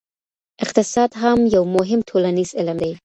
اقتصاد هم یو مهم ټولنیز علم دی.